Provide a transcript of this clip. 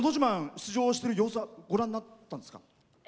出場してる様子はご覧になってるんですか？